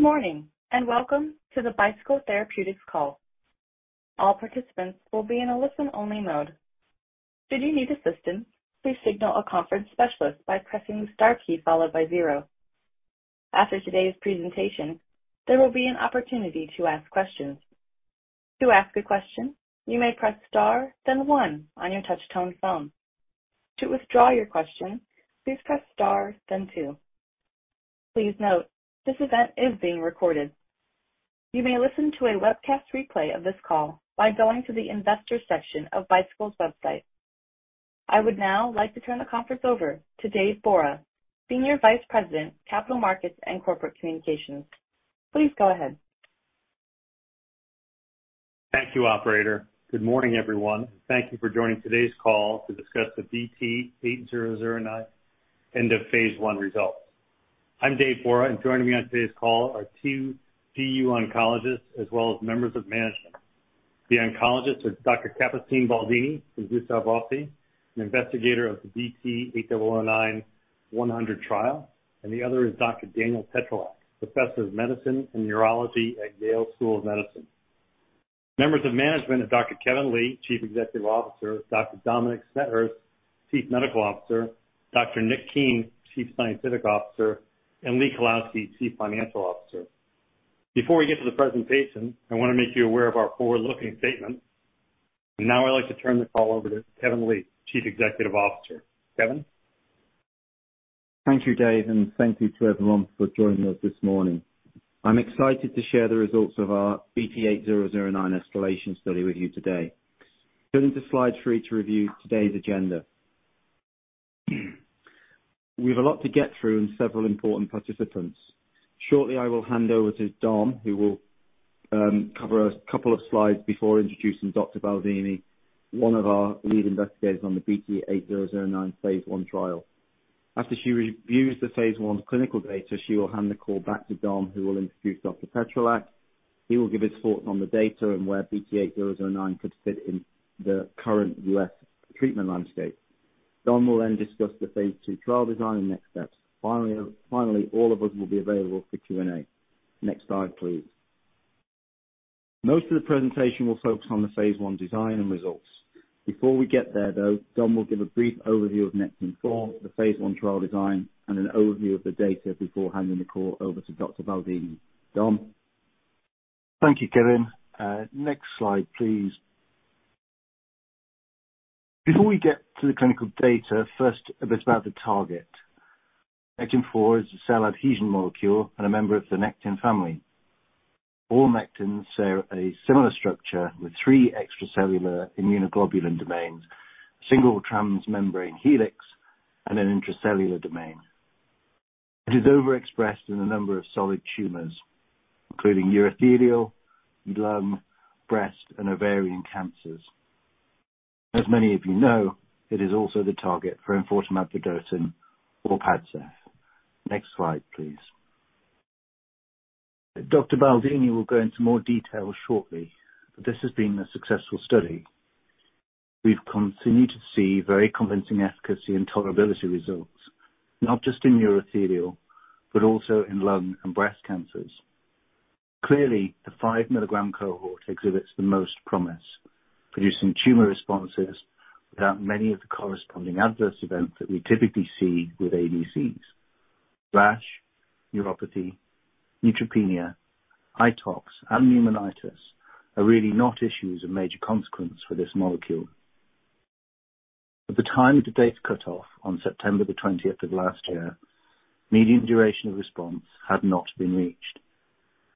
Good morning. Welcome to the Bicycle Therapeutics call. All participants will be in a listen-only mode. Should you need assistance, please signal a conference specialist by pressing star followed by zero. After today's presentation, there will be an opportunity to ask questions. To ask a question, you may press star then one on your touch tone phone. To withdraw your question, please press star then two. Please note, this event is being recorded. You may listen to a webcast replay of this call by going to the investor section of Bicycle's website. I would now like to turn the conference over to Dave Borah, Senior Vice President, Capital Markets and Corporate Communications. Please go ahead. Thank you, operator. Good morning, everyone. Thank you for joining today's call to discuss the BT8009 end of phase I results. I'm Dave Borah. Joining me on today's call are two GU oncologists as well as members of management. The oncologists are Dr. Capucine Baldini from Gustave Roussy, an investigator of the BT8009-100 trial. The other is Dr. Daniel Petrylak, Professor of Medicine and Urology at Yale School of Medicine. Members of management are Dr. Kevin Lee, Chief Executive Officer, Dr. Dominic Smethurst, Chief Medical Officer, Dr. Nick Keen, Chief Scientific Officer, and Lee Kalowski, Chief Financial Officer. Before we get to the presentation, I wanna make you aware of our forward-looking statements. Now I'd like to turn the call over to Kevin Lee, Chief Executive Officer. Kevin? Thank you, Dave, and thank you to everyone for joining us this morning. I'm excited to share the results of our BT8009 escalation study with you today. Going to slide 3 to review today's agenda. We have a lot to get through and several important participants. Shortly, I will hand over to Dom, who will cover a couple of slides before introducing Dr. Baldini, one of our lead investigators on the BT8009 phase I trial. After she reviews the phase I clinical data, she will hand the call back to Dom, who will introduce Dr. Petrylak. He will give his thoughts on the data and where BT8009 could fit in the current U.S. treatment landscape. Dom will then discuss the phase II trial design and next steps. Finally, all of us will be available for Q&A. Next slide, please. Most of the presentation will focus on the phase I design and results. Before we get there, though, Dom will give a brief overview of Nectin-4, the phase I trial design, and an overview of the data before handing the call over to Dr. Baldini. Dom? Thank you, Kevin. Next slide, please. Before we get to the clinical data, first a bit about the target. Nectin-4 is a cell adhesion molecule and a member of the nectin family. All nectins share a similar structure with three extracellular immunoglobulin domains, single transmembrane helix, and an intracellular domain. It is overexpressed in a number of solid tumors, including urothelial, lung, breast, and ovarian cancers. As many of you know, it is also the target for enfortumab vedotin or Padcev. Next slide, please. Dr. Baldini will go into more detail shortly. This has been a successful study. We've continued to see very convincing efficacy and tolerability results, not just in urothelial, but also in lung and breast cancers. Clearly, the 5 mg cohort exhibits the most promise, producing tumor responses without many of the corresponding adverse events that we typically see with ADCs. Rash, neuropathy, neutropenia, eye tox, and pneumonitis are really not issues of major consequence for this molecule. At the time of the data cutoff on September 20th of last year, median duration of response had not been reached.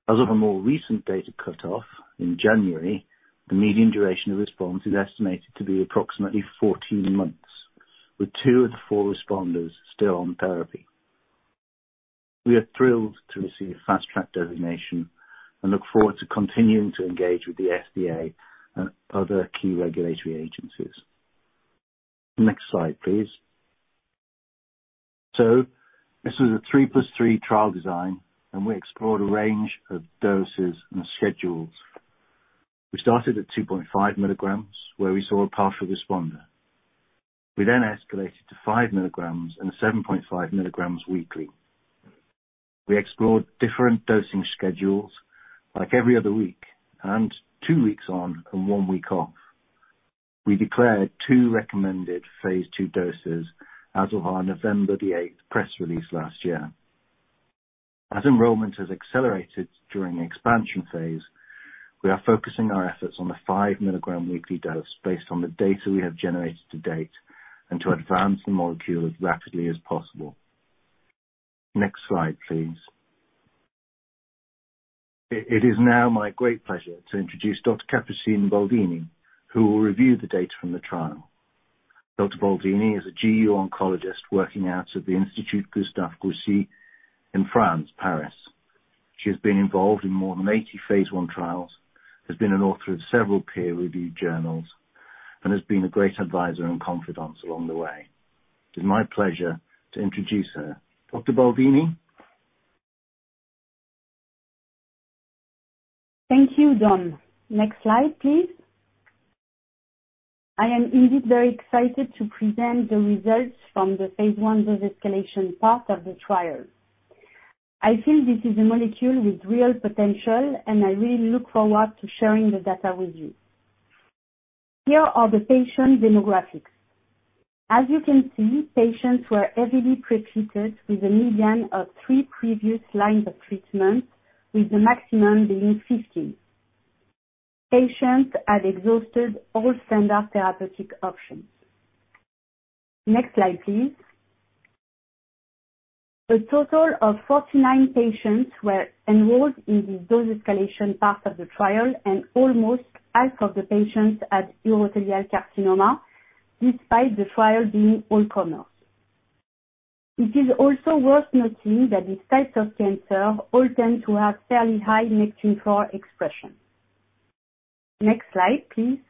As of a more recent data cutoff in January, the median duration of response is estimated to be approximately 14 months, with two of the four responders still on therapy. We are thrilled to receive Fast Track designation and look forward to continuing to engage with the FDA and other key regulatory agencies. Next slide, please. This was a 3 + 3 trial design, and we explored a range of doses and schedules. We started at 2.5 mg, where we saw a partial responder. We then escalated to 5 mg and 7.5 mg weekly. We explored different dosing schedules, like every other week and two weeks on and one week off. We declared two recommended phase II doses as of our November 8th press release last year. As enrollment has accelerated during the expansion phase, we are focusing our efforts on the 5 mg weekly dose based on the data we have generated to date and to advance the molecule as rapidly as possible. Next slide, please. It is now my great pleasure to introduce Dr. Capucine Baldini, who will review the data from the trial. Dr. Baldini is a GU oncologist working out of the Institut Gustave Roussy in France, Paris. She has been involved in more than 80 phase I trials, has been an author of several peer-reviewed journals, and has been a great advisor and confidante along the way. It is my pleasure to introduce her. Dr. Baldini? Thank you, Dom. Next slide, please. I am indeed very excited to present the results from the phase I dose escalation part of the trial. I feel this is a molecule with real potential. I really look forward to sharing the data with you. Here are the patient demographics. As you can see, patients were heavily pretreated with a median of three previous lines of treatment, with the maximum being 50. Patients had exhausted all standard therapeutic options. Next slide, please. A total of 49 patients were enrolled in the dose escalation part of the trial. Almost half of the patients had urothelial carcinoma, despite the trial being on commerce. It is also worth noting that these types of cancer all tend to have fairly high Nectin-4 expression. Next slide, please.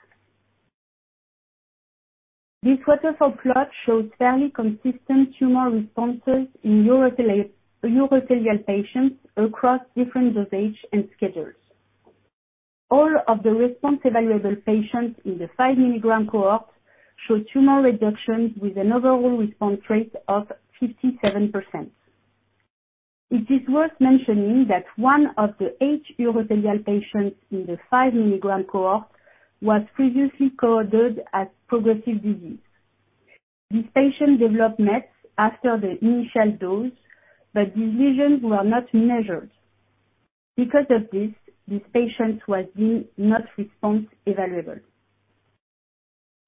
This waterfall plot shows fairly consistent tumor responses in urothelial patients across different dosage and schedules. All of the response-evaluable patients in the 5 mg cohort show tumor reductions with an overall response rate of 57%. It is worth mentioning that one of the eight urothelial patients in the 5 mg cohort was previously coded as progressive disease. This patient developed mets after the initial dose, these lesions were not measured. Because of this patient was deemed not response evaluable.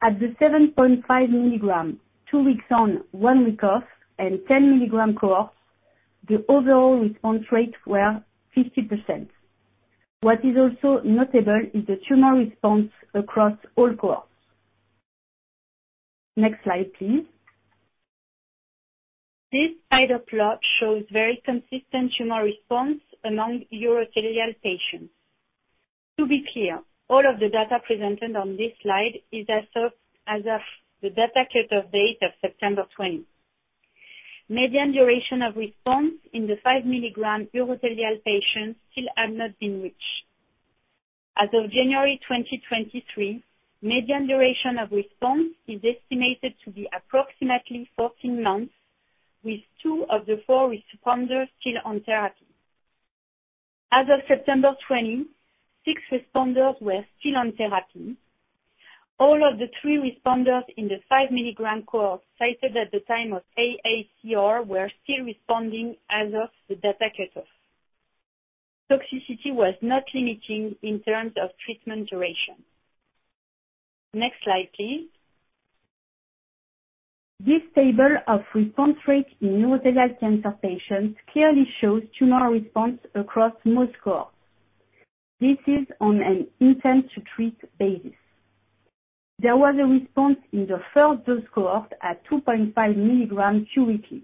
At the 7.5 mg, two weeks on, one week off, and 10 mg cohorts, the overall response rates were 50%. What is also notable is the tumor response across all cohorts. Next slide, please. This spider plot shows very consistent tumor response among urothelial patients. To be clear, all of the data presented on this slide is as of the data cut-off date of September 20. Median duration of response in the 5 mg urothelial patients still had not been reached. As of January 2023, median duration of response is estimated to be approximately 14 months, with two of the four responders still on therapy. As of September 20, six responders were still on therapy. All of the three responders in the 5 mg cohort cited at the time of AACR were still responding as of the data cut-off. Toxicity was not limiting in terms of treatment duration. Next slide, please. This table of response rate in urothelial cancer patients clearly shows tumor response across most cohorts. This is on an intent to treat basis. There was a response in the first dose cohort at 2.5 mg two weekly.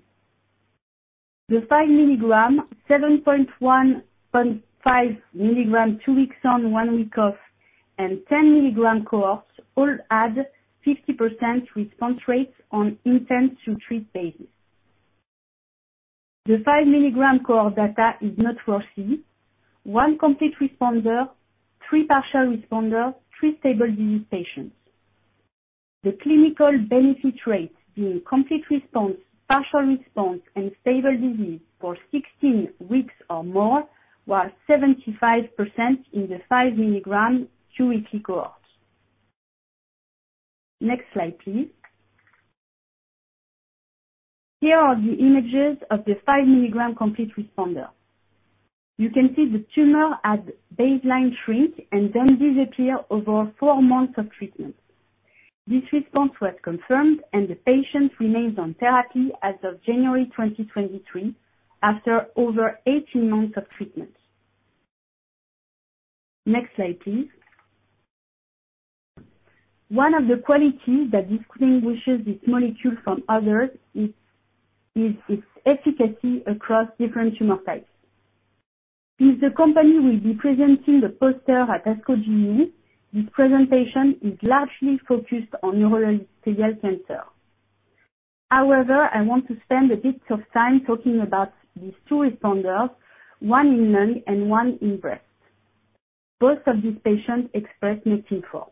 The 5 mg, 7.1.5 mg, two weeks on, one week off, and 10 mg cohorts all had 50% response rates on intent to treat basis. The 5 mg cohort data is not for see. One complete responder, three partial responder, three stable disease patients. The clinical benefit rate in complete response, partial response, and stable disease for 16 weeks or more was 75% in the 5 mg two-weekly cohort. Next slide, please. Here are the images of the 5 mg complete responder. You can see the tumor at baseline shrink and then disappear over four months of treatment. This response was confirmed, and the patient remains on therapy as of January 2023, after over 18 months of treatment. Next slide, please. One of the qualities that distinguishes this molecule from others is its efficacy across different tumor types. If the company will be presenting the poster at ASCO GI, this presentation is largely focused on urothelial cancer. However, I want to spend a bit of time talking about these two responders, one in lung and one in breast. Both of these patients expressed Nectin-4.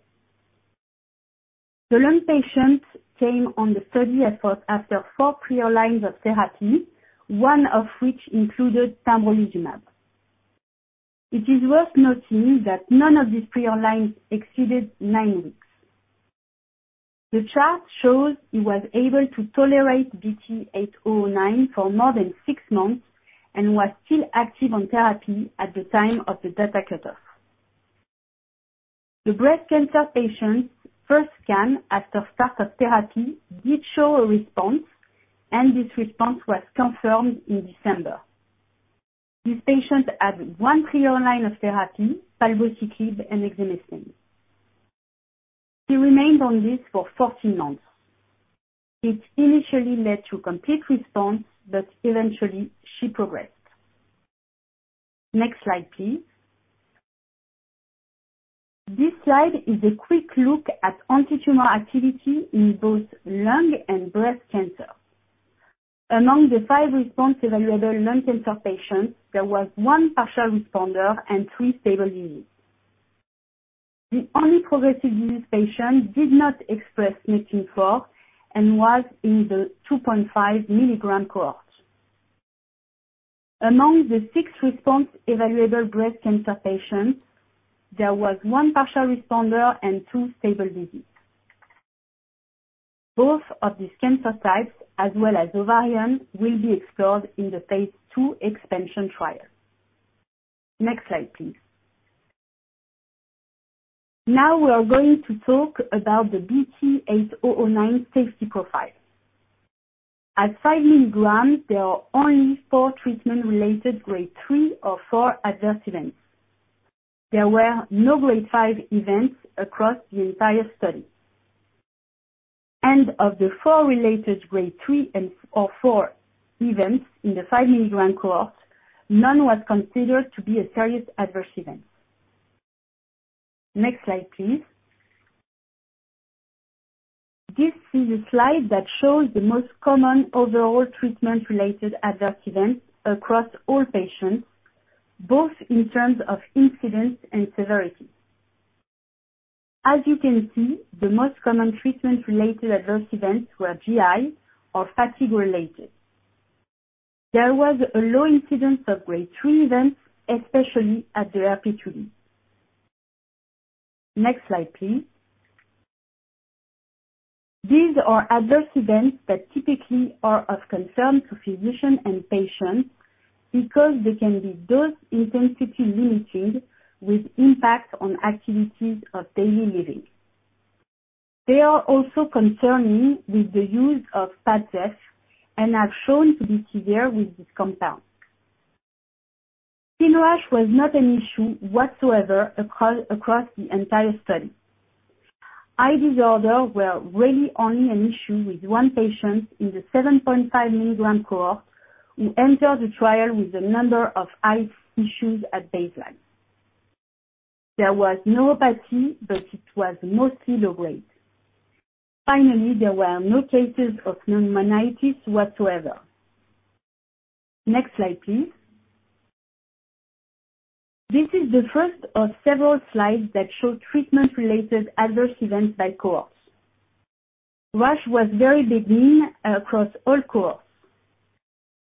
The lung patient came on the study effort after four prior lines of therapy, one of which included pembrolizumab. It is worth noting that none of these prior lines exceeded nine weeks. The chart shows he was able to tolerate BT8009 for more than six months and was still active on therapy at the time of the data cut-off. The breast cancer patient's first scan after start of therapy did show a response, and this response was confirmed in December. This patient had one prior line of therapy, palbociclib and exemestane. She remained on this for 14 months. It initially led to complete response, but eventually she progressed. Next slide, please. This slide is a quick look at anti-tumor activity in both lung and breast cancer. Among the five response evaluable lung cancer patients, there was one partial responder and three stable disease. The only progressive disease patient did not express Nectin-4 and was in the 2.5 mg cohort. Among the six response evaluable breast cancer patients, there was one partial responder and two stable disease. Both of these cancer types, as well as ovarian, will be explored in the phase II expansion trial. Next slide, please. Now we are going to talk about the BT8009 safety profile. At 5 mg, there are only four treatment-related grade 3 or 4 adverse events. There were no grade 5 events across the entire study. Of the four related grade 3 and, or 4 events in the 5 mg cohort, none was considered to be a serious adverse event. Next slide, please. This is a slide that shows the most common overall treatment-related adverse events across all patients, both in terms of incidence and severity. As you can see, the most common treatment-related adverse events were GI or fatigue related. There was a low incidence of grade 3 events, especially at the RP2D. Next slide, please. These are adverse events that typically are of concern to physician and patient because they can be dose intensity limited with impact on activities of daily living. They are also concerning with the use of Padcev and have shown to be severe with this compound. Skin rash was not an issue whatsoever across the entire study. Eye disorder were really only an issue with one patient in the 7.5 mg cohort who entered the trial with a number of eye issues at baseline. There was no apathy, but it was mostly low grade. Finally, there were no cases of pneumonitis whatsoever. Next slide, please. This is the first of several slides that show treatment-related adverse events by cohorts. Rash was very benign across all cohorts.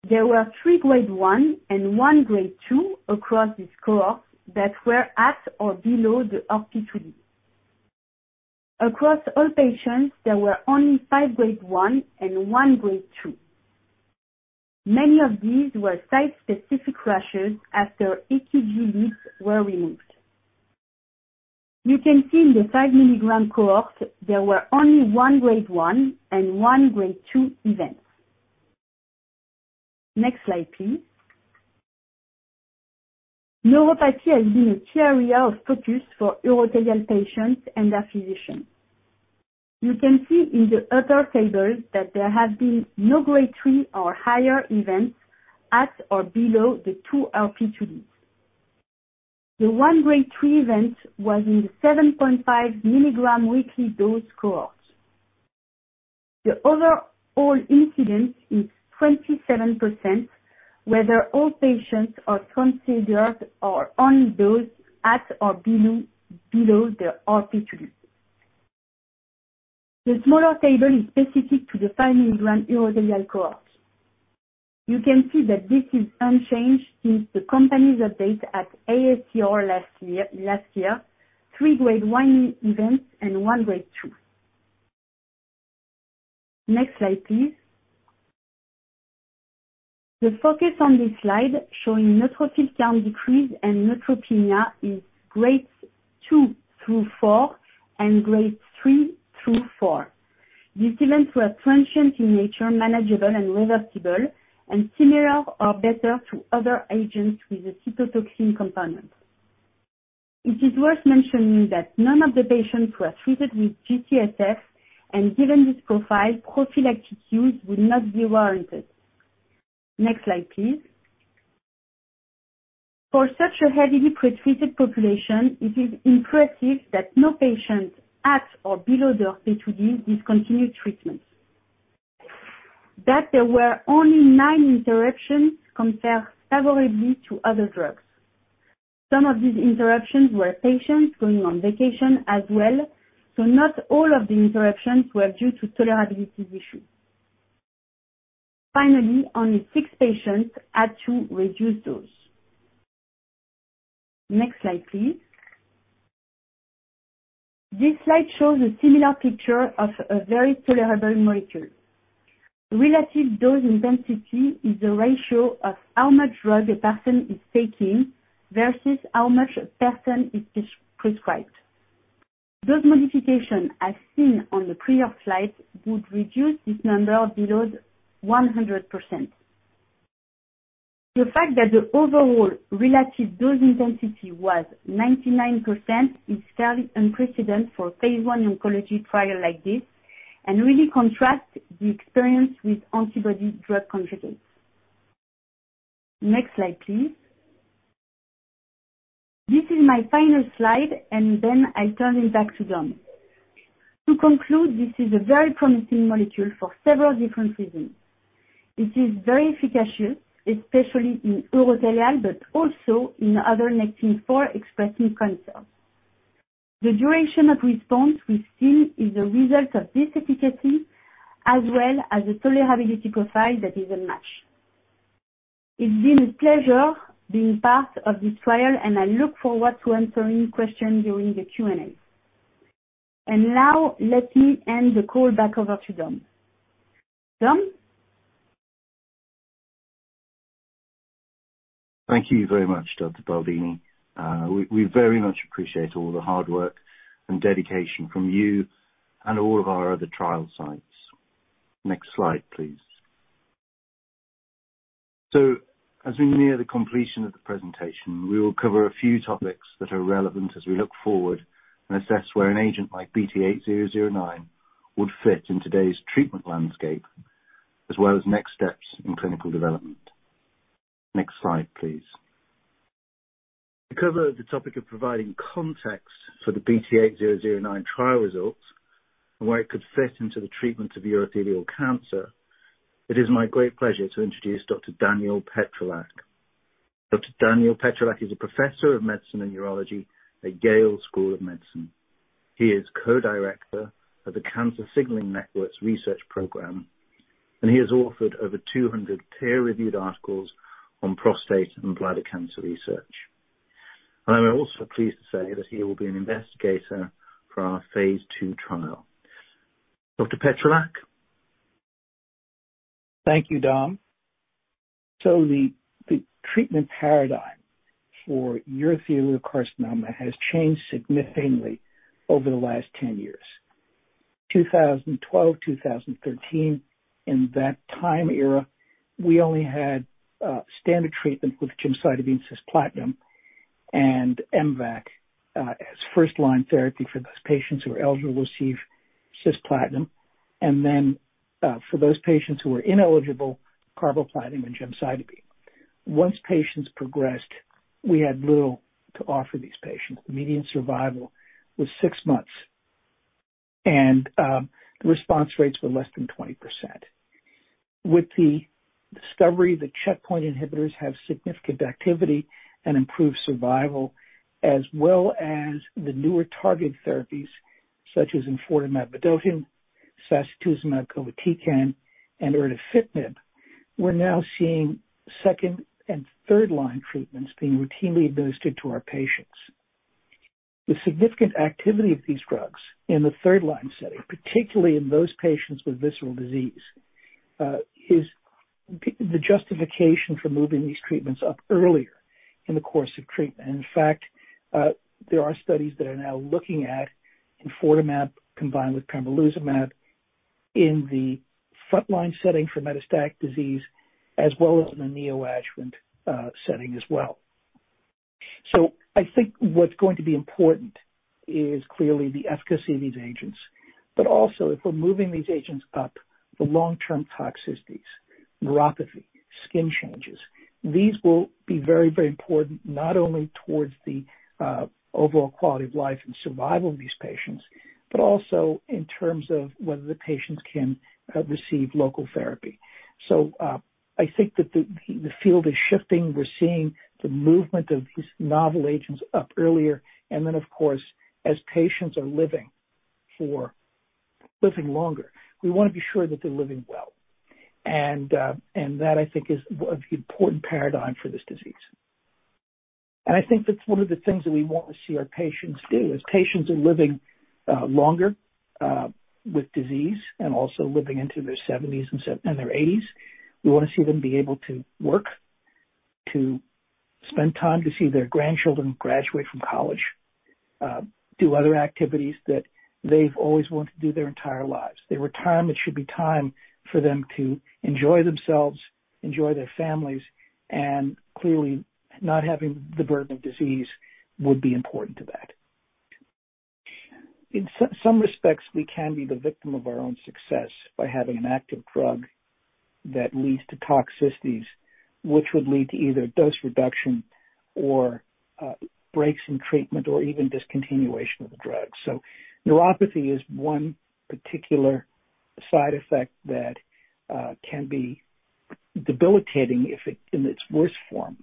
There were three grade 1 and one grade 2 across this cohort that were at or below the RP2D. Across all patients, there were only five grade 1 and 1 grade 2. Many of these were site-specific rashes after ECG leads were removed. You can see in the 5 mg cohort, there were only one grade 1 and one grade 2 events. Next slide, please. Neuropathy has been a key area of focus for urothelial patients and their physicians. You can see in the upper table that there have been no grade 3 or higher events at or below the 2 RP2Ds. The one grade 3 event was in the 7.5 mg weekly dose cohort. The overall incidence is 27%, whether all patients are considered or only those at or below the RP2D. The smaller table is specific to the 5 mg urothelial cohort. You can see that this is unchanged since the company's update at AACR last year, three grade 1 events and one grade 2. Next slide, please. The focus on this slide showing neutrophil count decrease and neutropenia is grades 2 through 4 and grades 3 through 4. These events were transient in nature, manageable and reversible, and similar or better to other agents with a cytotoxin component. It is worth mentioning that none of the patients were treated with G-CSF and given this profile, prophylactic use would not be warranted. Next slide, please. For such a heavily pretreated population, it is impressive that no patient at or below the RP2D discontinued treatment. That there were only nine interruptions compares favorably to other drugs. Some of these interruptions were patients going on vacation as well, so not all of the interruptions were due to tolerability issues. Finally, only six patients had to reduce dose. Next slide, please. This slide shows a similar picture of a very tolerable molecule. Relative dose intensity is the ratio of how much drug a person is taking versus how much a person is pre-prescribed. Dose modification, as seen on the previous slide, would reduce this number below 100%. The fact that the overall relative dose intensity was 99% is fairly unprecedented for a phase I oncology trial like this and really contrasts the experience with antibody-drug conjugates. Next slide, please. This is my final slide, then I turn it back to Dom. To conclude, this is a very promising molecule for several different reasons. It is very efficacious, especially in urothelial but also in other Nectin-4-expressing cancers. The duration of response we've seen is a result of this efficacy as well as the tolerability profile that is unmatched. It's been a pleasure being part of this trial, I look forward to answering questions during the Q&A. Now let me hand the call back over to Dom. Dom? Thank you very much, Dr. Baldini. We very much appreciate all the hard work and dedication from you and all of our other trial sites. Next slide, please. As we near the completion of the presentation, we will cover a few topics that are relevant as we look forward and assess where an agent like BT8009 would fit in today's treatment landscape, as well as next steps in clinical development. Next slide, please. To cover the topic of providing context for the BT8009 trial results and where it could fit into the treatment of urothelial cancer, it is my great pleasure to introduce Dr. Daniel Petrylak. Dr. Daniel Petrylak is a Professor of Medicine and Urology at Yale School of Medicine. He is Co-director of the Cancer Signaling Networks research program, and he has authored over 200 peer-reviewed articles on prostate and bladder cancer research. I'm also pleased to say that he will be an investigator for our phase II trial. Dr. Daniel Petrylak. Thank you, Dom. The treatment paradigm for urothelial carcinoma has changed significantly over the last 10 years. 2012, 2013, in that time era, we only had standard treatment with gemcitabine cisplatin and MVAC as first-line therapy for those patients who are eligible to receive cisplatin. For those patients who are ineligible, carboplatin with gemcitabine. Once patients progressed, we had little to offer these patients. The median survival was six months, and the response rates were less than 20%. With the discovery that checkpoint inhibitors have significant activity and improve survival, as well as the newer targeted therapies such as enfortumab vedotin, sacituzumab govitecan, and erdafitinib, we're now seeing second and third-line treatments being routinely administered to our patients. The significant activity of these drugs in the third-line setting, particularly in those patients with visceral disease, the justification for moving these treatments up earlier in the course of treatment. In fact, there are studies that are now looking at enfortumab combined with pembrolizumab in the frontline setting for metastatic disease as well as in the neoadjuvant setting as well. I think what's going to be important is clearly the efficacy of these agents. Also if we're moving these agents up the long-term toxicities, neuropathy, skin changes, these will be very important not only towards the overall quality of life and survival of these patients, but also in terms of whether the patients can receive local therapy. I think that the field is shifting. We're seeing the movement of these novel agents up earlier. Of course, as patients are living longer, we want to be sure that they're living well. That I think is an important paradigm for this disease. I think that's one of the things that we want to see our patients do. As patients are living longer with disease and also living into their seventies and their eighties, we want to see them be able to work, to spend time to see their grandchildren graduate from college, do other activities that they've always wanted to do their entire lives. Their retirement should be time for them to enjoy themselves, enjoy their families, and clearly not having the burden of disease would be important to that. In some respects, we can be the victim of our own success by having an active drug that leads to toxicities which would lead to either dose reduction or breaks in treatment or even discontinuation of the drug. Neuropathy is one particular side effect that can be debilitating if it, in its worst form,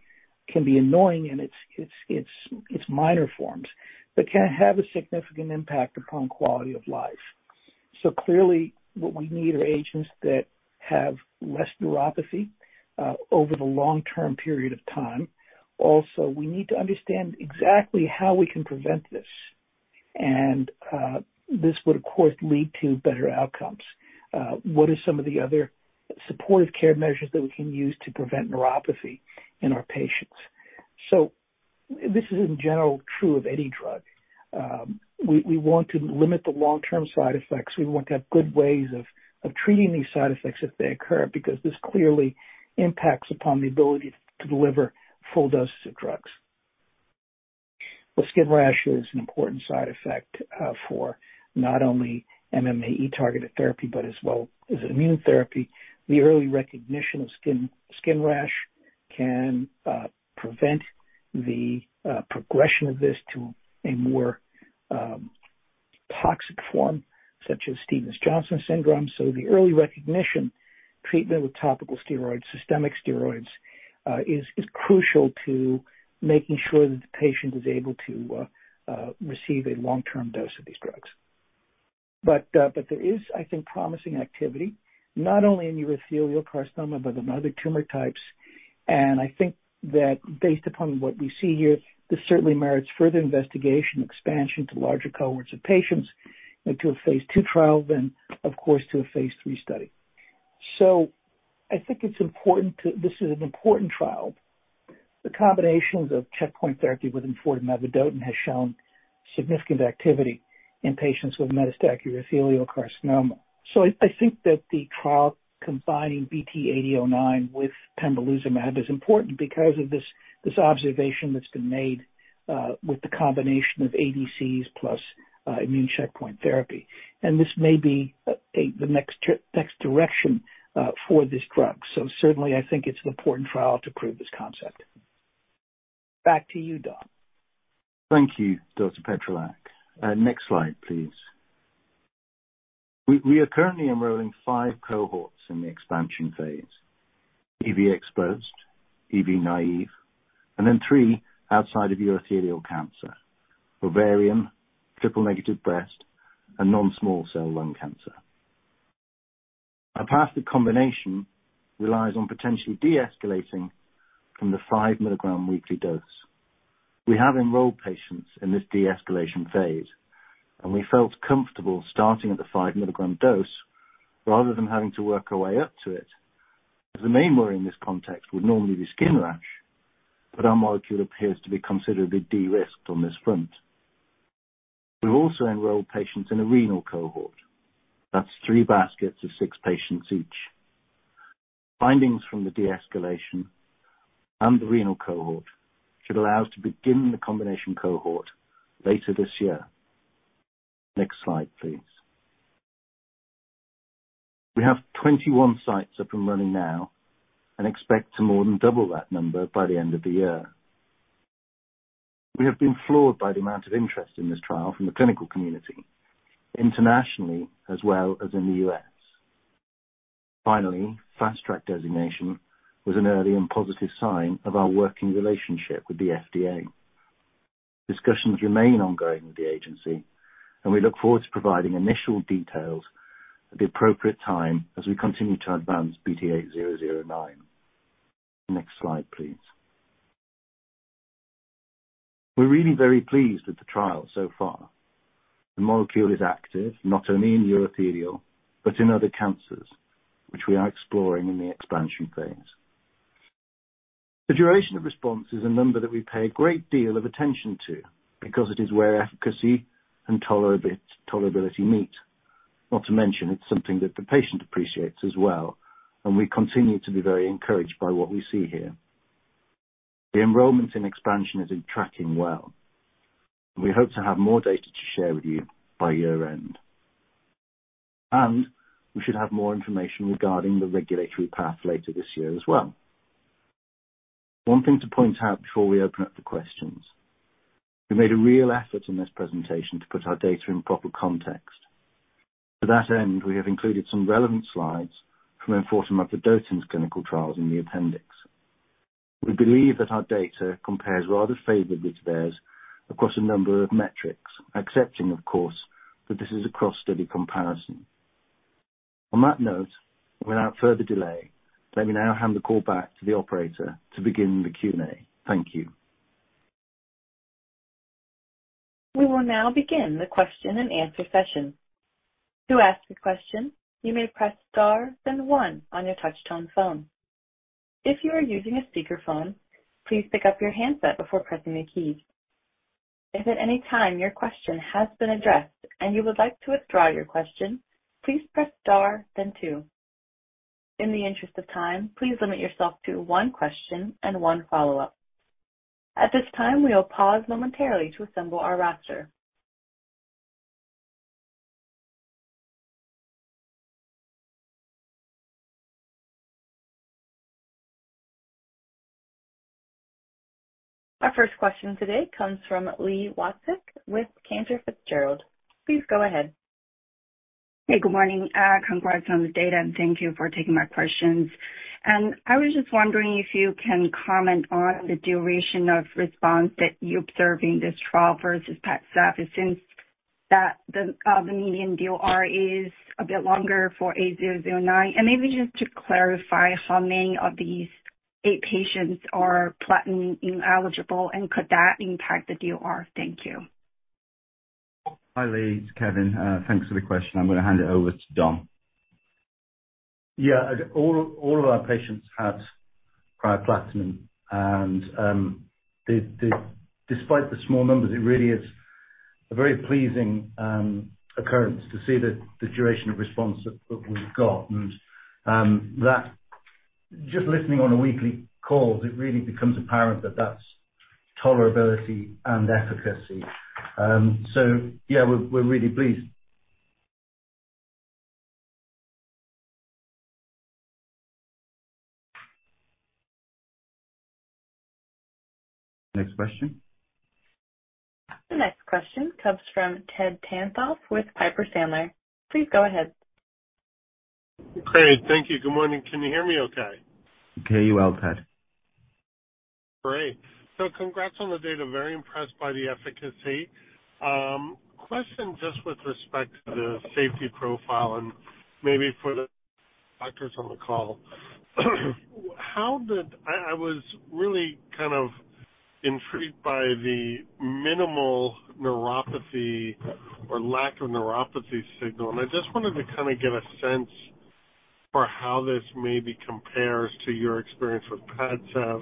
can be annoying in its minor forms, but can have a significant impact upon quality of life. Clearly what we need are agents that have less neuropathy over the long-term period of time. Also, we need to understand exactly how we can prevent this. This would of course lead to better outcomes. What are some of the other supportive care measures that we can use to prevent neuropathy in our patients? This is in general true of any drug. We want to limit the long-term side effects. We want to have good ways of treating these side effects if they occur because this clearly impacts upon the ability to deliver full doses of drugs. Well, skin rash is an important side effect for not only MMAE-targeted therapy, but as well as immune therapy. The early recognition of skin rash can prevent the progression of this to a more toxic form, such as Stevens-Johnson syndrome. The early recognition, treatment with topical steroids, systemic steroids, is crucial to making sure that the patient is able to receive a long-term dose of these drugs. There is, I think, promising activity not only in urothelial carcinoma, but in other tumor types. I think that based upon what we see here, this certainly merits further investigation, expansion to larger cohorts of patients, into a phase II trial than, of course, to a phase III study. I think it's important this is an important trial. The combinations of checkpoint therapy with enfortumab vedotin has shown significant activity in patients with metastatic urothelial carcinoma. I think that the trial combining BT8009 with pembrolizumab is important because of this observation that's been made with the combination of ADCs plus immune checkpoint therapy. This may be the next direction for this drug. Certainly I think it's an important trial to prove this concept. Back to you, Dom. Thank you, Dr. Petrylak. Next slide, please. We are currently enrolling five cohorts in the expansion phase, EV exposed, EV naive, and then three outside of urothelial cancer, ovarian, triple-negative breast, and non-small cell lung cancer. Our path of combination relies on potentially deescalating from the 5 mg weekly dose. We have enrolled patients in this de-escalation phase, and we felt comfortable starting at the 5 mg dose rather than having to work our way up to it, as the main worry in this context would normally be skin rash, but our molecule appears to be considerably de-risked on this front. We've also enrolled patients in a renal cohort. That's three baskets of six patients each. Findings from the de-escalation and the renal cohort should allow us to begin the combination cohort later this year. Next slide, please. We have 21 sites up and running now and expect to more than double that number by the end of the year. We have been floored by the amount of interest in this trial from the clinical community, internationally as well as in the U.S. Fast Track designation was an early and positive sign of our working relationship with the FDA. Discussions remain ongoing with the agency, we look forward to providing initial details at the appropriate time as we continue to advance BT8009. Next slide, please. We're really very pleased with the trial so far. The molecule is active not only in urothelial but in other cancers, which we are exploring in the expansion phase. The duration of response is a number that we pay a great deal of attention to because it is where efficacy and tolerability meet. Not to mention, it's something that the patient appreciates as well. We continue to be very encouraged by what we see here. The enrollments and expansion has been tracking well. We hope to have more data to share with you by year-end. We should have more information regarding the regulatory path later this year as well. One thing to point out before we open up the questions, we made a real effort in this presentation to put our data in proper context. To that end, we have included some relevant slides from enfortumab vedotin's clinical trials in the appendix. We believe that our data compares rather favorably to theirs across a number of metrics, accepting of course that this is a cross-study comparison. On that note, without further delay, let me now hand the call back to the operator to begin the Q&A. Thank you. We will now begin the question-and-answer session. To ask a question, you may press star then one on your touchtone phone. If you are using a speakerphone, please pick up your handset before pressing the key. If at any time your question has been addressed and you would like to withdraw your question, please press star then two. In the interest of time, please limit yourself to one question and one follow-up. At this time, we will pause momentarily to assemble our roster. Our first question today comes from Li Watsek with Cantor Fitzgerald. Please go ahead. Hey, good morning. Congrats on the data, thank you for taking my questions. I was just wondering if you can comment on the duration of response that you observe in this trial versus Padcev since that the median DOR is a bit longer for 8009. Maybe just to clarify how many of these eight patients are platinum ineligible and could that impact the DOR? Thank you. Hi, Lee. It's Kevin. Thanks for the question. I'm gonna hand it over to Dom. Yeah. All of our patients had prior platinum and, despite the small numbers, it really is a very pleasing occurrence to see the duration of response that we've got. Just listening on a weekly call, it really becomes apparent that that's tolerability and efficacy. Yeah, we're really pleased. Next question. The next question comes from Ted Tenthoff with Piper Sandler. Please go ahead. Great. Thank you. Good morning. Can you hear me okay? We can hear you well, Ted. Great. Congrats on the data. Very impressed by the efficacy. Question just with respect to the safety profile and maybe for the doctors on the call. I was really kind of intrigued by the minimal neuropathy or lack of neuropathy signal. I just wanted to kind of get a sense for how this maybe compares to your experience with Padcev,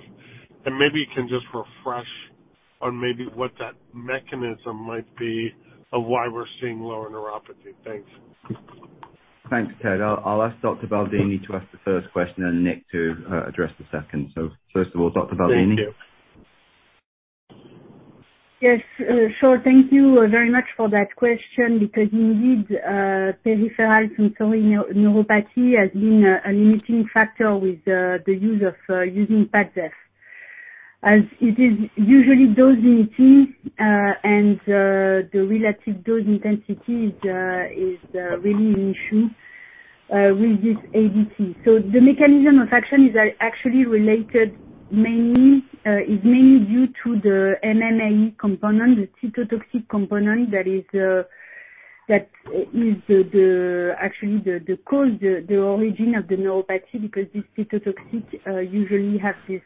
and maybe you can just refresh on maybe what that mechanism might be of why we're seeing lower neuropathy. Thanks. Thanks, Ted. I'll ask Dr. Baldini to ask the first question and Nick to address the second. First of all, Dr. Baldini. Thank you. Yes, sure. Thank you very much for that question because indeed, peripheral sensory neuropathy has been a limiting factor with the use of using Padcev. As it is usually dose limiting, and the related dose intensity is really an issue with this ADC. The mechanism of action is actually related mainly, is mainly due to the MMAE component, the cytotoxic component that is actually the cause, the origin of the neuropathy because this cytotoxic usually has this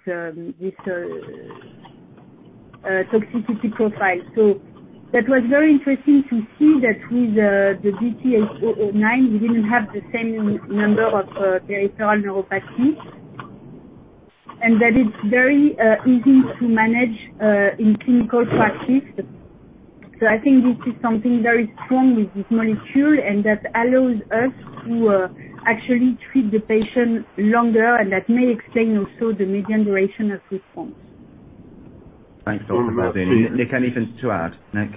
toxicity profile. That was very interesting to see that with the BT8009, we didn't have the same number of peripheral neuropathy. That it's very easy to manage in clinical practice. I think this is something very strong with this molecule, and that allows us to actually treat the patient longer and that may explain also the median duration of response. Thanks, Dr. Baldini. Nick, anything to add? Nick?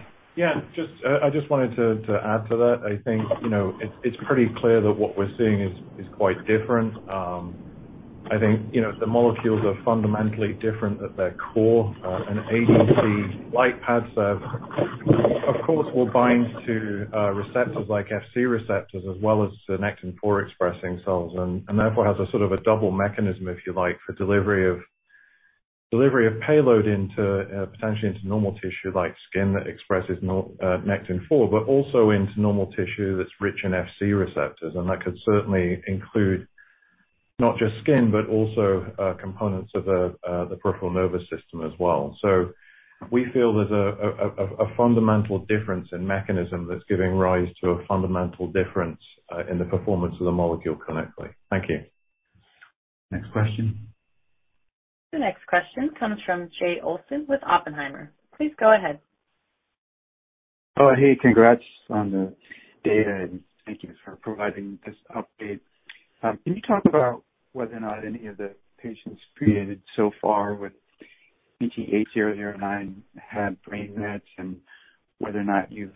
Just, I just wanted to add to that. I think, you know, it's pretty clear that what we're seeing is quite different. I think, you know, the molecules are fundamentally different at their core. An ADC like Padcev, of course, will bind to receptors like Fc receptors as well as the Nectin-4 expressing cells and therefore has a sort of a double mechanism, if you like, for delivery of payload into potentially into normal tissue like skin that expresses Nectin-4, but also into normal tissue that's rich in Fc receptors. That could certainly include not just skin, but also components of the peripheral nervous system as well. We feel there's a fundamental difference in mechanism that's giving rise to a fundamental difference in the performance of the molecule clinically. Thank you. Next question. The next question comes from Jay Olson with Oppenheimer. Please go ahead. Hey. Congrats on the data. Thank you for providing this update. Can you talk about whether or not any of the patients treated so far with BT8009 had brain mets and whether or not you've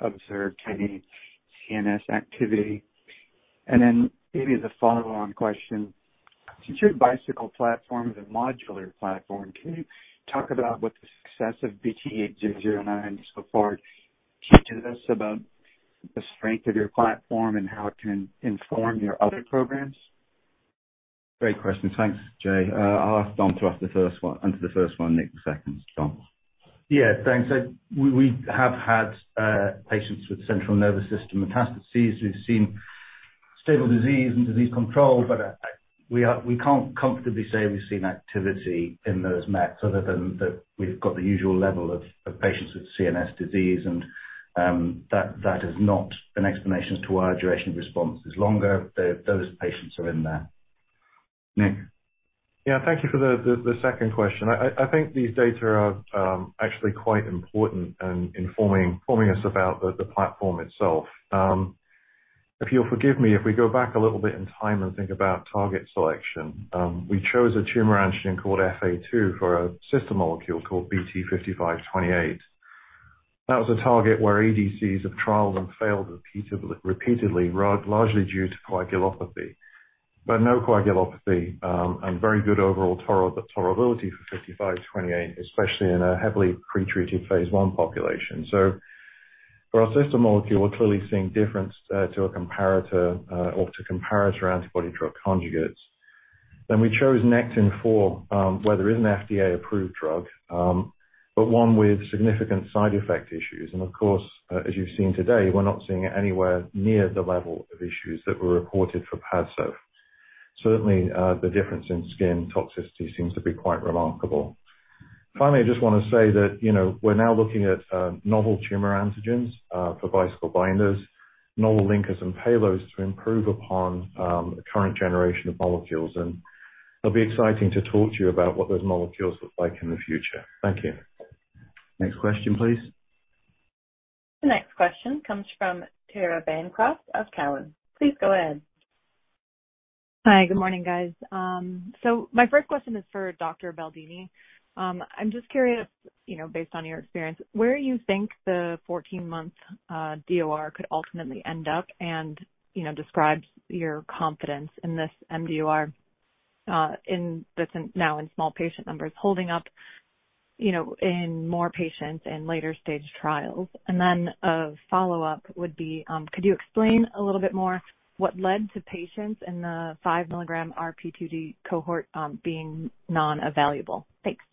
observed any CNS activity? Maybe as a follow-on question, since your Bicycle platform is a modular platform, can you talk about what the success of BT8009 so far teaches us about the strength of your platform and how it can inform your other programs? Great question. Thanks, Jay. I'll ask Dom to answer the first one, Nick, the second. Dom. Yeah, thanks. We have had patients with central nervous system metastases. We've seen stable disease and disease control, but we can't comfortably say we've seen activity in those mets other than that we've got the usual level of patients with CNS disease and that is not an explanation as to why our duration of response is longer. Those patients are in there. Nick. Yeah. Thank you for the second question. I think these data are actually quite important in informing us about the platform itself. If you'll forgive me, if we go back a little bit in time and think about target selection, we chose a tumor antigen called EphA2 for a sister molecule called BT5528. That was a target where ADCs have trialed and failed repeatedly, largely due to coagulopathy. No coagulopathy and very good overall tolerability for 5528, especially in a heavily pre-treated phase I population. For our sister molecule, we're clearly seeing difference to a comparator or to comparator antibody drug conjugates. We chose Nectin-4, where there is an FDA-approved drug, but one with significant side effect issues. Of course, as you've seen today, we're not seeing it anywhere near the level of issues that were reported for Padcev. Certainly, the difference in skin toxicity seems to be quite remarkable. Finally, I just wanna say that, you know, we're now looking at novel tumor antigens for Bicycle binders, novel linkers and payloads to improve upon the current generation of molecules. It'll be exciting to talk to you about what those molecules look like in the future. Thank you. Next question, please. The next question comes from Tara Bancroft of Cowen. Please go ahead. Hi, good morning, guys. My first question is for Dr. Baldini. I'm just curious, you know, based on your experience, where you think the 14-month DOR could ultimately end up and, you know, describe your confidence in this MDOR that's in now in small patient numbers, holding up, you know, in more patients in later stage trials. A follow-up would be, could you explain a little bit more what led to patients in the 5 mg RP2D cohort being non-evaluable? Thanks.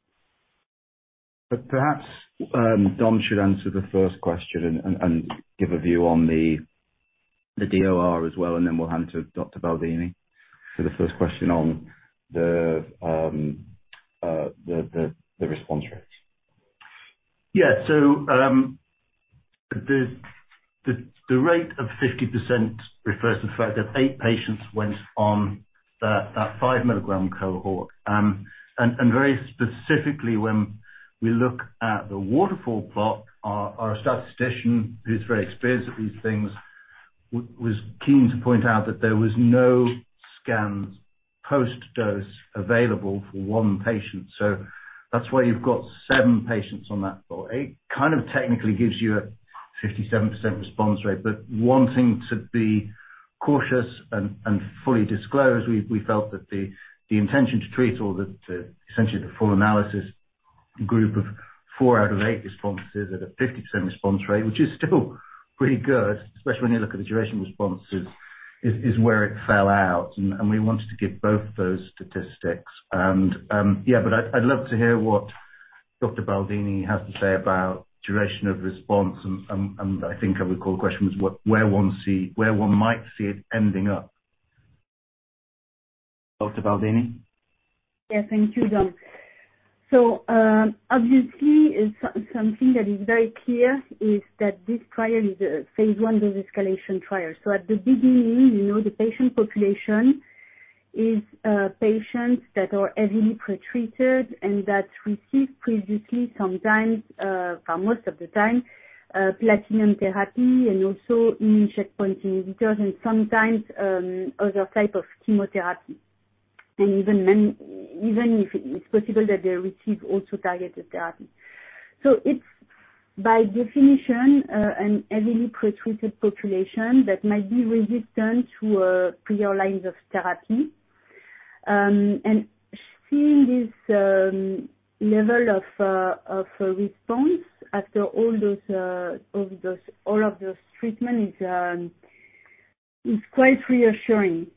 Perhaps, Dom should answer the first question and give a view on the DOR as well, and then we'll hand to Dr. Baldini for the first question on the response rates. Yeah. The rate of 50% refers to the fact that eight patients went on that 5 mg cohort. And very specifically, when we look at the waterfall plot, our statistician, who's very experienced at these things, was keen to point out that there was no scans post-dose available for 1 patient. That's why you've got seven patients on that floor. It kind of technically gives you a 57% response rate. Wanting to be cautious and fully disclosed, we felt that the intention to treat or essentially the full analysis group of four out of eight responses at a 50% response rate, which is still pretty good, especially when you look at the duration responses, is where it fell out. We wanted to give both those statistics. Yeah, but I'd love to hear what Dr. Baldini has to say about duration of response. I think I would call the question was what, where one might see it ending up. Dr. Baldini. Yeah, thank you, Dom. Obviously is something that is very clear is that this trial is a phase I dose-escalation trial. At the beginning, you know, the patient population is patients that are heavily pretreated and that receive previously, sometimes, for most of the time, platinum therapy and also immune checkpoint inhibitors and sometimes other type of chemotherapy. Even when, even if it's possible that they receive also targeted therapy. It's by definition, an heavily pretreated population that might be resistant to prior lines of therapy. Seeing this level of response after all of those treatment is quite reassuring.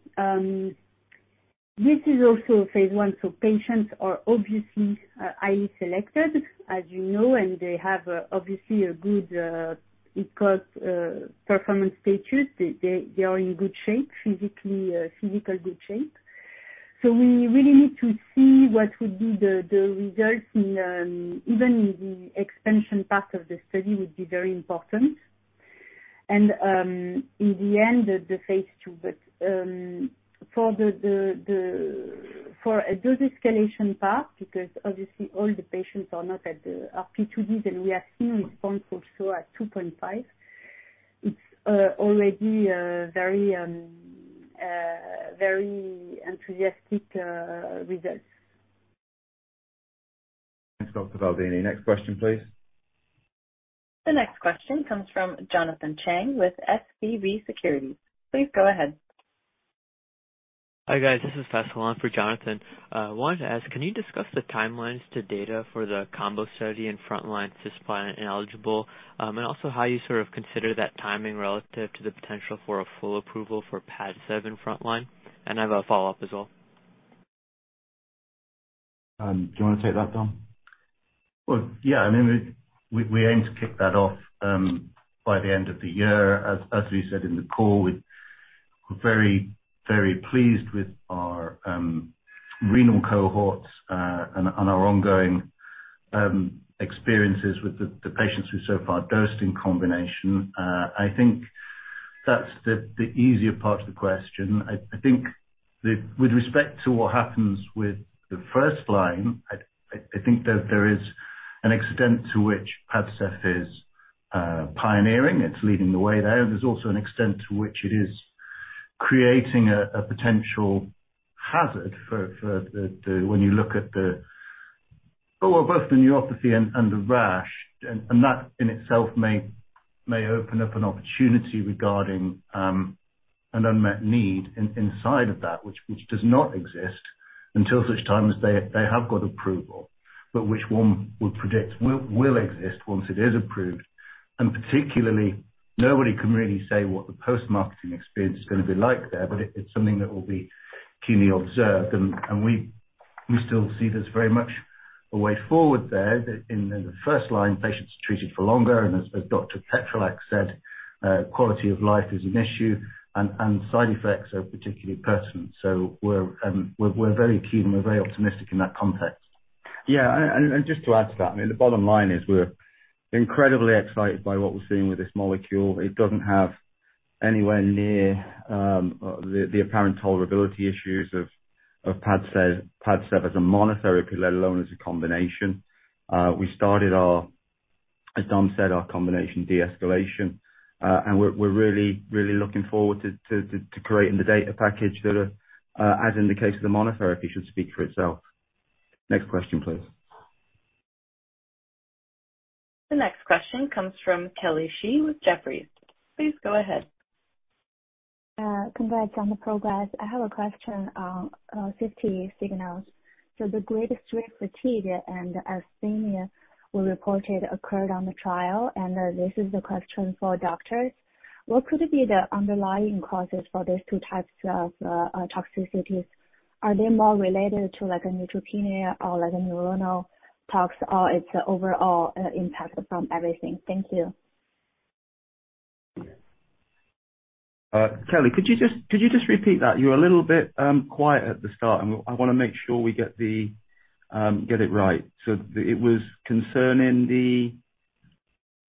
This is also phase I, so patients are obviously highly selected, as you know, and they have obviously a good we call it performance status. They are in good shape physically, physical good shape. We really need to see what would be the results in even in the expansion part of the study would be very important. In the end, the phase II. For the for a dose escalation path, because obviously all the patients are not at the RP2Ds, and we are seeing response also at 2.5 mg, it's already very very enthusiastic results. Thanks, Dr. Baldini. Next question, please. The next question comes from Jonathan Chang with SVB Securities. Please go ahead. Hi, guys. This is [Faisal] for Jonathan. wanted to ask, can you discuss the timelines to data for the combo study in frontline cisplat ineligible, and also how you sort of consider that timing relative to the potential for a full approval for Padcev frontline? I have a follow-up as well. Do you wanna take that, Dom? Well, yeah. I mean, we aim to kick that off by the end of the year. As we said in the call, we're very pleased with our renal cohorts and our ongoing experiences with the patients who so far dosed in combination. I think that's the easier part of the question. I think with respect to what happens with the first line, I think that there is an extent to which Padcev is pioneering. It's leading the way there. There's also an extent to which it is creating a potential hazard for the. When you look at the Both the neuropathy and the rash, and that in itself may open up an opportunity regarding an unmet need inside of that, which does not exist until such time as they have got approval. Which one would predict will exist once it is approved. Particularly, nobody can really say what the post-marketing experience is gonna be like there, but it's something that will be keenly observed. And we still see this very much a way forward there. In the first line, patients are treated for longer. As Dr. Petrylak said, quality of life is an issue and side effects are particularly pertinent. We're very keen and we're very optimistic in that context. Yeah. Just to add to that, I mean, the bottom line is we're incredibly excited by what we're seeing with this molecule. It doesn't have anywhere near the apparent tolerability issues of Padcev as a monotherapy, let alone as a combination. We started our, as Dom said, our combination de-escalation, and we're really looking forward to creating the data package that, as in the case of the monotherapy, should speak for itself. Next question, please. The next question comes from Kelly Shi with Jefferies. Please go ahead. Congrats on the progress. I have a question on safety signals. The grade three fatigue and asthenia were reported occurred on the trial. This is the question for doctors. What could it be the underlying causes for these two types of toxicities? Are they more related to like a neutropenia or like a neuronal tox or it's overall impact from everything? Thank you. Kelly, could you just repeat that? You were a little bit quiet at the start, and I want to make sure we get the get it right. It was concerning the...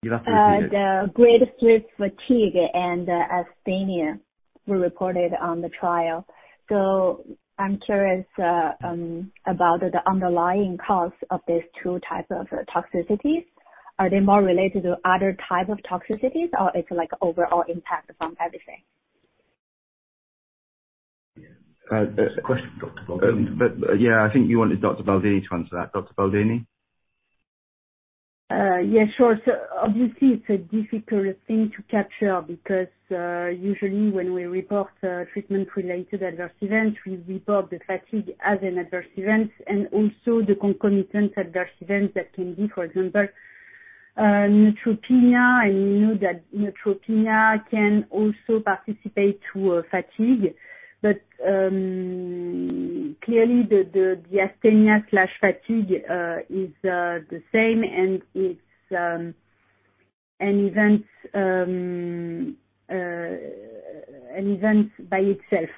You are happy to repeat it. The grade 3 fatigue and asthenia were reported on the trial. I'm curious about the underlying cause of these two types of toxicities. Are they more related to other type of toxicities or it's like overall impact from everything? That's a question for Dr. Baldini. Yeah, I think you wanted Dr. Baldini to answer that. Dr. Baldini? Yeah, sure. Obviously it's a difficult thing to capture because usually when we report treatment related adverse events, we report the fatigue as an adverse event and also the concomitant adverse event that can be, for example, neutropenia. I know that neutropenia can also participate to a fatigue. Clearly the asthenia/fatigue is the same and it's an event by itself.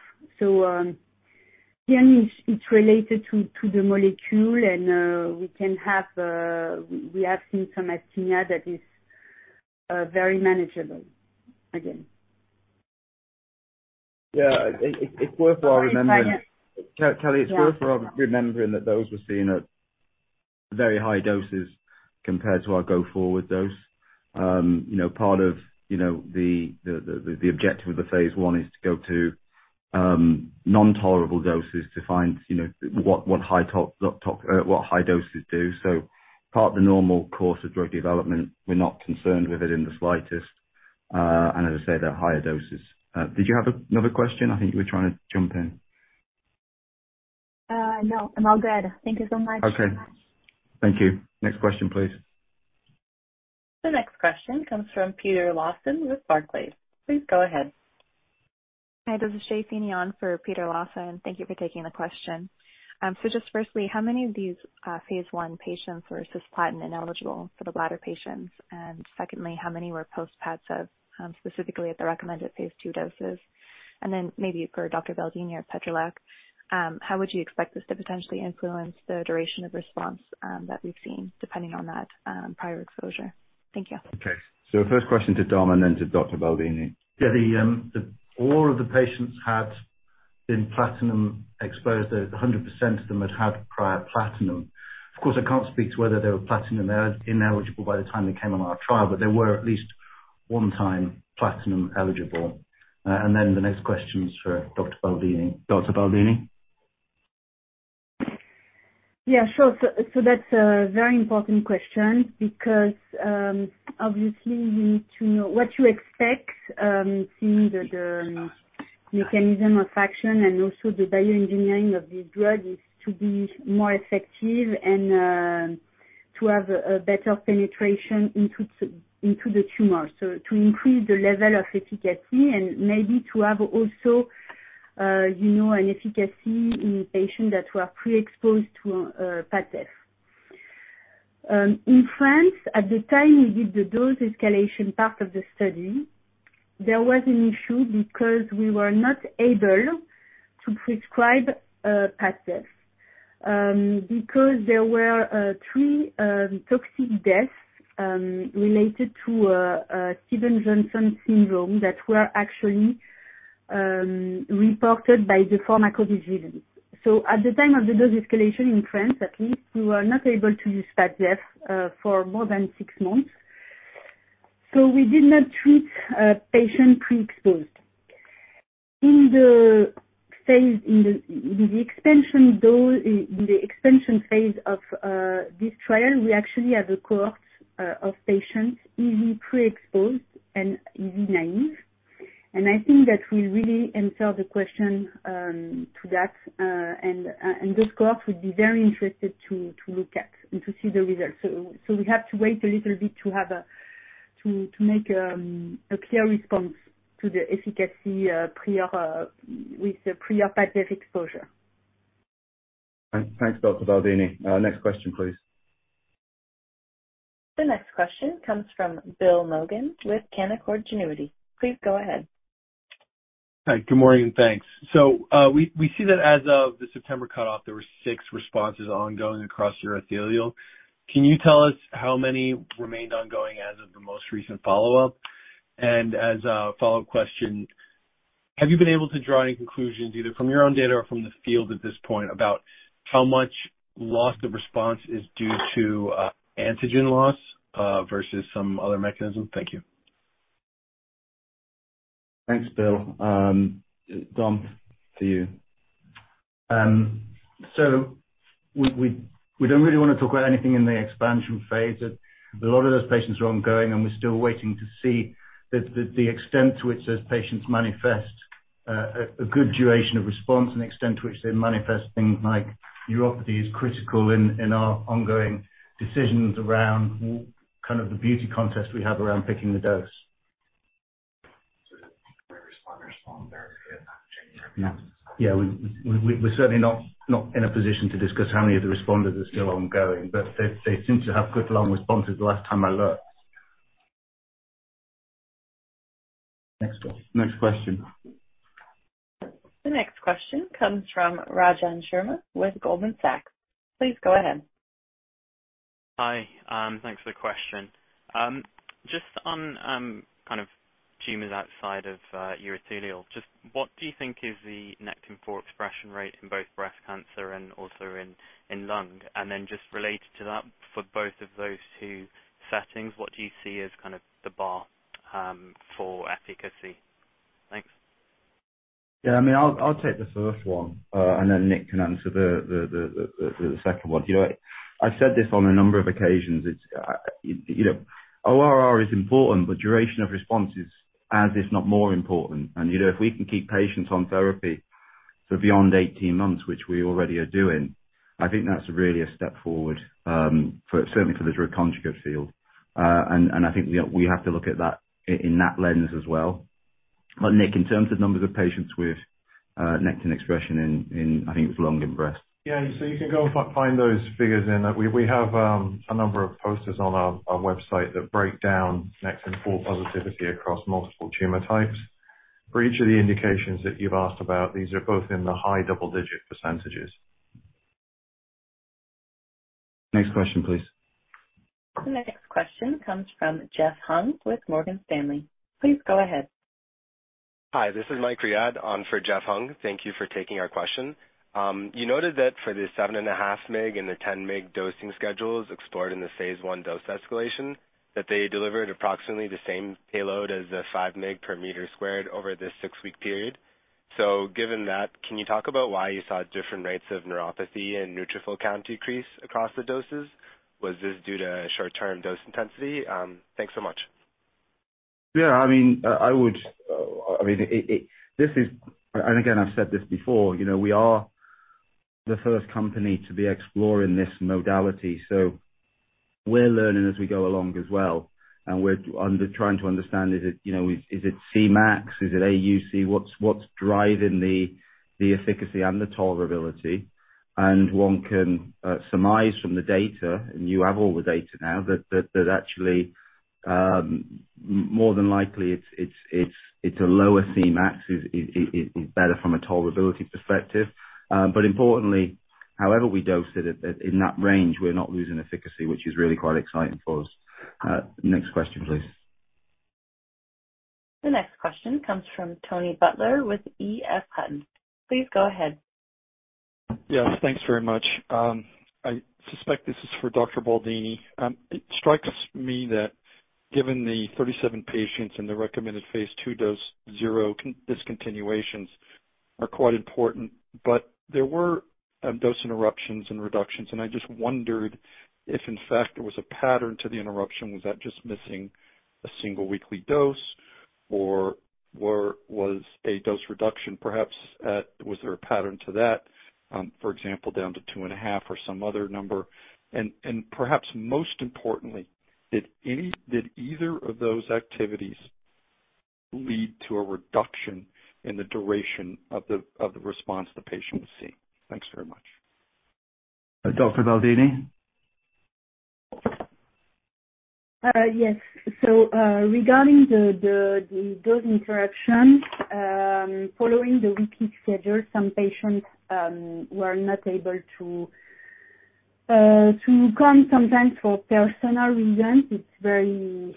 Yeah, it's related to the molecule and we have seen some asthenia that is very manageable again. Yeah. It's worthwhile remembering. I'm sorry. Kelly, it's worthwhile remembering that those were seen at very high doses compared to our go forward dose. You know, part of, you know, the objective of the phase I is to go to non-tolerable doses to find, you know, what high tox, what high doses do. Part of the normal course of drug development, we're not concerned with it in the slightest, and as I say, they're higher doses. Did you have another question? I think you were trying to jump in. No, I'm all good. Thank you so much. Okay. Thank you. Next question, please. The next question comes from Peter Lawson with Barclays. Please go ahead. Hi, this is [Shay Fenneon] for Peter Lawson. Thank you for taking the question. Just firstly, how many of these phase I patients were cisplatin ineligible for the bladder patients? Secondly, how many were post Padcev, specifically at the recommended phase II doses? Then maybe for Dr. Baldini or Dr. Petrylak, how would you expect this to potentially influence the duration of response that we've seen depending on that prior exposure? Thank you. Okay. First question to Dom and then to Dr. Baldini. Yeah. All of the patients had been platinum exposed. 100% of them had prior platinum. Of course, I can't speak to whether they were platinum ineligible by the time they came on our trial, but they were at least one time platinum eligible. The next question is for Dr. Baldini. Dr. Baldini. Yeah, sure. That's a very important question because, obviously you need to know what you expect, seeing that the mechanism of action and also the bioengineering of the drug is to be more effective and, to have a better penetration into the tumor. To increase the level of efficacy and maybe to have also, you know, an efficacy in patients that were pre-exposed to Padcev. In France, at the time we did the dose escalation part of the study, there was an issue because we were not able to prescribe Padcev, because there were three toxic deaths related to Stevens-Johnson syndrome that were actually reported by the pharmacovigilance. At the time of the dose escalation in France, at least, we were not able to use Padcev for more than six months, so we did not treat patient pre-exposed. In the expansion phase of this trial, we actually have a cohort of patients either pre-exposed and either naive. I think that will really answer the question to that. This cohort would be very interested to look at and to see the results. We have to wait a little bit to make a clear response to the efficacy pre with the pre or Padcev exposure. Thanks, Dr. Baldini. Next question, please. The next question comes from Bill Maughan with Canaccord Genuity. Please go ahead. Hi, good morning, and thanks. We see that as of the September cutoff, there were six responses ongoing across urothelial. Can you tell us how many remained ongoing as of the most recent follow-up? As a follow-up question, have you been able to draw any conclusions, either from your own data or from the field at this point, about how much loss of response is due to antigen loss versus some other mechanism? Thank you. Thanks, Bill. Dom, to you. We don't really wanna talk about anything in the expansion phase. A lot of those patients are ongoing, and we're still waiting to see the extent to which those patients manifest a good duration of response and the extent to which they manifest things like neuropathy is critical in our ongoing decisions around kind of the beauty contest we have around picking the dose. The responders. Yeah. Yeah. We're certainly not in a position to discuss how many of the responders are still ongoing, but they seem to have good long responses the last time I looked. Next one. Next question. The next question comes from Rajan Sharma with Goldman Sachs. Please go ahead. Hi, thanks for the question. Just on kind of tumors outside of urothelial, just what do you think is the Nectin-4 expression rate in both breast cancer and also in lung? Just related to that, for both of those two settings, what do you see as kind of the bar for efficacy? Thanks. Yeah. I mean, I'll take the first one, and then Nick can answer the second one. You know, I've said this on a number of occasions, it's, you know, ORR is important, but duration of response is as, if not more important. You know, if we can keep patients on therapy for beyond 18 months, which we already are doing, I think that's really a step forward, for certainly for the drug conjugate field. I think we have to look at that in that lens as well. Nick, in terms of numbers of patients with Nectin expression in, I think it was lung and breast. Yeah. You can go and find those figures in. We have a number of posters on our website that break down Nectin-4 positivity across multiple tumor types. For each of the indications that you've asked about, these are both in the high double-digit %. Next question, please. The next question comes from Jeff Hung with Morgan Stanley. Please go ahead. Hi, this is Mike Riad on for Jeff Hung. Thank you for taking our question. You noted that for the 7.5 mg and the 10 mg dosing schedules explored in the phase I dose escalation, that they delivered approximately the same payload as the 5 mg per meter squared over the six-week period. Given that, can you talk about why you saw different rates of neuropathy and neutrophil count decrease across the doses? Was this due to short-term dose intensity? Thanks so much. Yeah, I mean, This is, and again, I've said this before, you know, we are the first company to be exploring this modality, so we're learning as we go along as well, and we're trying to understand is it, you know, is it Cmax, is it AUC, what's driving the efficacy and the tolerability? One can surmise from the data, and you have all the data now, that actually, more than likely it's a lower Cmax is better from a tolerability perspective. Importantly, however we dose it at in that range, we're not losing efficacy, which is really quite exciting for us. Next question, please. The next question comes from Tony Butler with EF Hutton. Please go ahead. Yes, thanks very much. I suspect this is for Dr. Baldini. It strikes me that given the 37 patients in the Recommended phase II dose, zero discontinuations are quite important, but there were dose interruptions and reductions, and I just wondered if in fact there was a pattern to the interruption. Was that just missing a single weekly dose or was a dose reduction perhaps at... Was there a pattern to that? For example, down to 2.5 mg or some other number. Perhaps most importantly, did either of those activities lead to a reduction in the duration of the response the patient was seeing? Thanks very much. Dr. Baldini. Yes. Regarding the dose interruption, following the weekly schedule, some patients were not able to come sometimes for personal reasons. It's very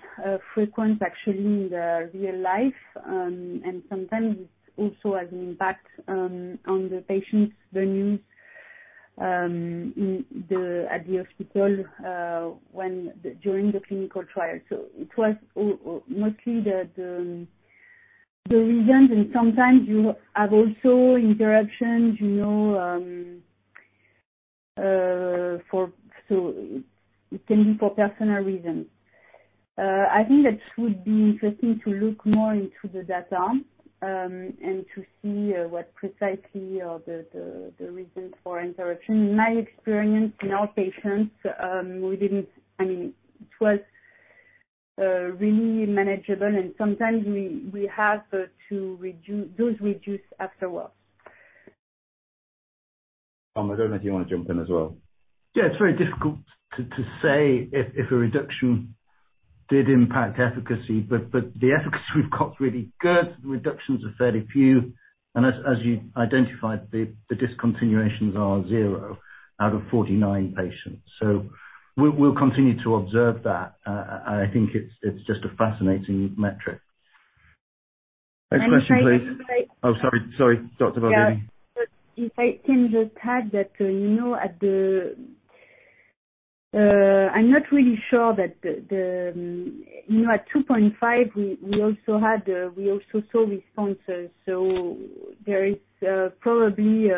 frequent actually in the real life, and sometimes it also has an impact on the patient's venues in the at the hospital, when during the clinical trial. It was mostly the reasons, and sometimes you have also interruptions, you know, for, so it can be for personal reasons. I think that would be interesting to look more into the data, and to see what precisely are the reasons for interruption. In my experience in our patients, we didn't... I mean, it was really manageable and sometimes we have to dose reduce afterwards. Dom, I don't know if you wanna jump in as well. Yeah, it's very difficult to say if a reduction did impact efficacy, but the efficacy we've got is really good. The reductions are fairly few, and as you identified, the discontinuations are zero out of 49 patients. We'll continue to observe that. I think it's just a fascinating metric. Next question, please. And if I- Oh, sorry, Dr. Baldini. Yeah. If I tend to tag that, you know, at the, I'm not really sure that the. You know, at 2.5 mg, we also had, we also saw responses. There is, probably,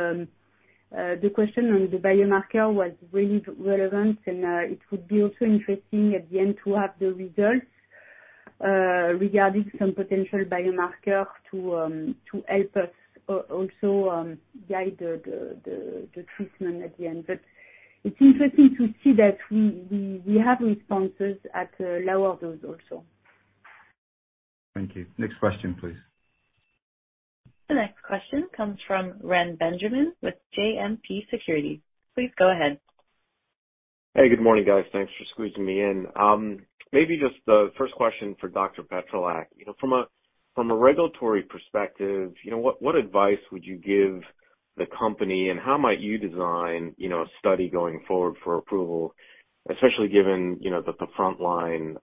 the question on the biomarker was really relevant, and it would be also interesting at the end to have the results regarding some potential biomarker to help us also guide the treatment at the end. It's interesting to see that we have responses at lower dose also. Thank you. Next question, please. The next question comes from Reni Benjamin with JMP Securities. Please go ahead. Hey. Good morning, guys. Thanks for squeezing me in. Maybe just the first question for Dr. Petrylak. You know, from a, from a regulatory perspective, you know, what advice would you give the company, and how might you design, you know, a study going forward for approval, especially given, you know, that the front line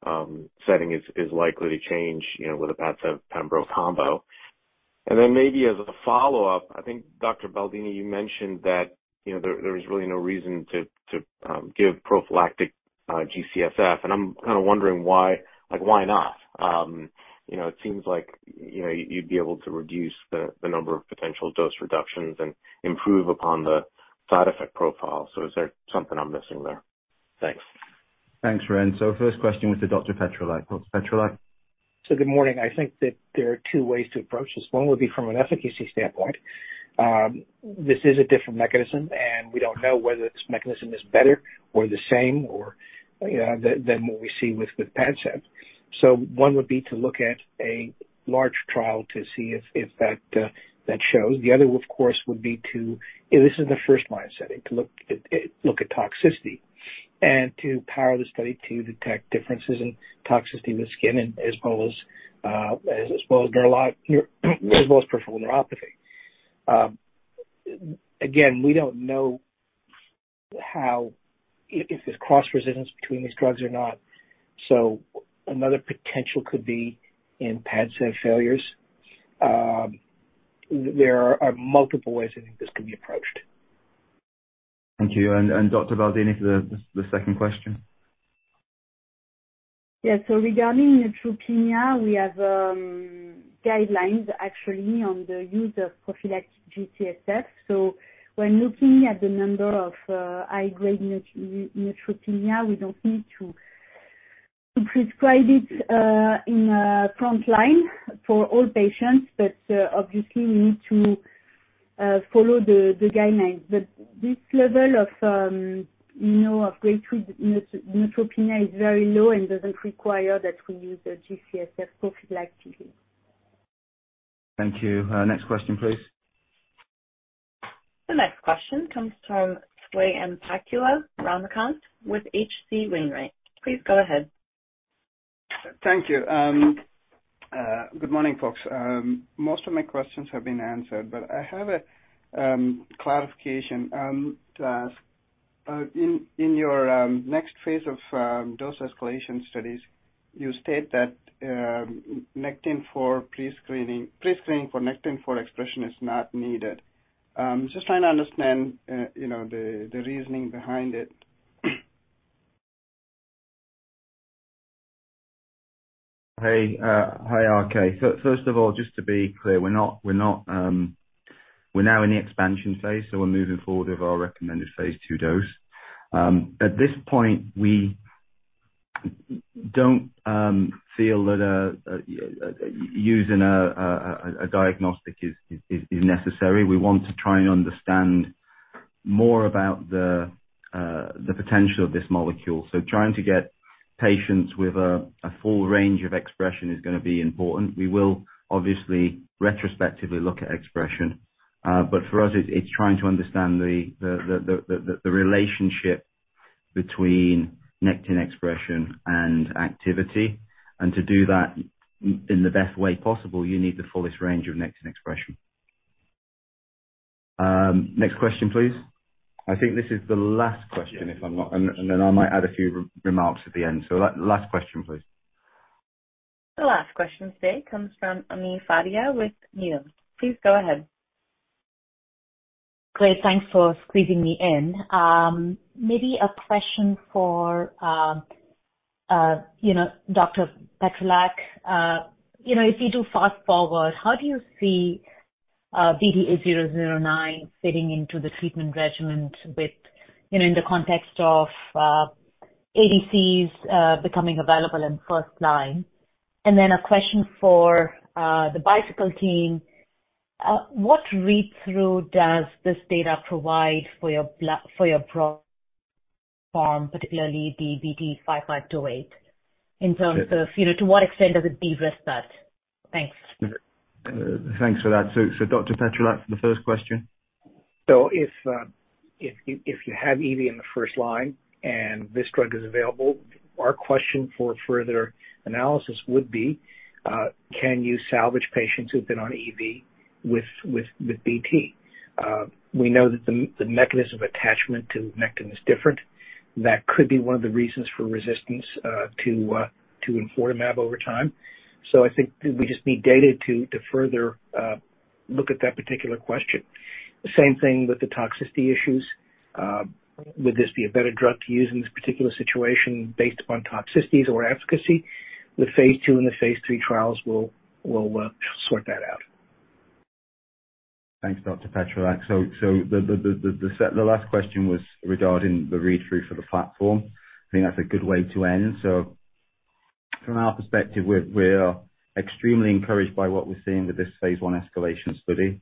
setting is likely to change, you know, with a Padcev/pembro combo? Maybe as a follow-up, I think, Dr. Baldini, you mentioned that, you know, there was really no reason to give prophylactic GCSF, and I'm kind of wondering why. Like, why not? You know, it seems like, you know, you'd be able to reduce the number of potential dose reductions and improve upon the side effect profile. Is there something I'm missing there? Thanks. Thanks, Reni. First question was to Dr. Petrylak. Dr. Petrylak? Good morning. I think that there are two ways to approach this. One would be from an efficacy standpoint. This is a different mechanism, and we don't know whether this mechanism is better or the same or, you know, than what we see with Padcev. One would be to look at a large trial to see if that shows. The other one, of course, would be to, this is the first line setting, to look at toxicity and to power the study to detect differences in toxicity with skin and as well as neurologic, your, as well as peripheral neuropathy. Again, we don't know how, if there's cross resistance between these drugs or not, so another potential could be in Padcev failures. There are multiple ways I think this could be approached. Thank you. Dr. Baldini for the second question. Yeah. Regarding neutropenia, we have guidelines actually on the use of prophylactic GCSF. When looking at the number of high-grade neutropenia, we don't need to prescribe it in front line for all patients. Obviously we need to follow the guidelines. This level of, you know, of grade three neutropenia is very low and doesn't require that we use a GCSF prophylactically. Thank you. Next question, please. The next question comes from Swayampakula Ramakanth with H.C. Wainwright. Please go ahead. Thank you. Good morning, folks. Most of my questions have been answered. I have a clarification to ask. In your next phase of dose escalation studies, you state that Nectin-4 prescreening for Nectin-4 expression is not needed. Just trying to understand, you know, the reasoning behind it. Hey. Hi, RK. First of all, just to be clear, we're now in the expansion phase, so we're moving forward with our recommended phase II dose. At this point, we don't feel that using a diagnostic is necessary. We want to try and understand more about the potential of this molecule. Trying to get patients with a full range of expression is gonna be important. We will obviously retrospectively look at expression. For us, it's trying to understand the relationship between nectin expression and activity. To do that in the best way possible, you need the fullest range of nectin expression. Next question, please. I think this is the last question, if I'm not. Then I might add a few remarks at the end. Last question, please. The last question today comes from Ami Fadia with Needham. Please go ahead. Great. Thanks for squeezing me in. Maybe a question for, you know, Dr. Petrylak. You know, if you do fast-forward, how do you see BT8009 fitting into the treatment regimen with, you know, in the context of ADCs becoming available in first line? A question for the Bicycle team. What read-through does this data provide for your platform, particularly the BT5528? In terms of, you know, to what extent does it de-risk that? Thanks. Thanks for that. Dr. Petrylak, the first question. If you have EV in the first line and this drug is available, our question for further analysis would be, can you salvage patients who've been on EV with BT? We know that the mechanism attachment to nectin is different. That could be one of the reasons for resistance to enfortumab over time. I think we just need data to further look at that particular question. Same thing with the toxicity issues. Would this be a better drug to use in this particular situation based upon toxicities or efficacy? The phase II and the phase III trials will sort that out. Thanks, Dr. Petrylak. The last question was regarding the read-through for the platform. I think that's a good way to end. From our perspective, we're extremely encouraged by what we're seeing with this phase I escalation study.